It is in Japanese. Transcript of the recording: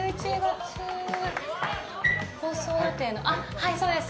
はい、そうです。